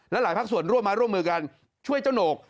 หลายภาคส่วนร่วมมาร่วมมือกันช่วยเจ้าโหนก